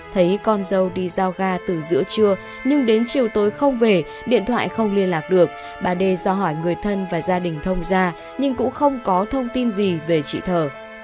thấy con dâu đi giao ga từ giữa trưa nhưng đến chiều tối không về điện thoại không liên lạc được bà đê do hỏi người thân và gia đình thông ra nhưng cũng không có thông tin gì về chị thở